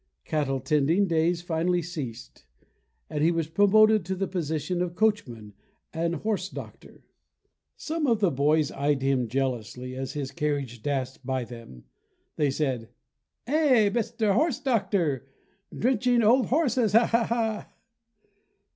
Cattle tending days finally ceased, TOUSSAINT I/OUVERTURE [183 and he was promoted to the position of coachman and horse doctor. 1 Some of the boys eyed him jealously as his carriage dashed by them. They said, "Eh, Mr. Horse Doctor! Drenching old horses, ha, ha!"